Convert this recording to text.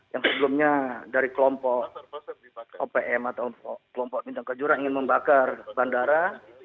yang sebelumnya dari kelompok opm atau kelompok bintang kejurang ingin membakar bandara